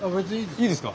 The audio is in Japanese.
いいですか？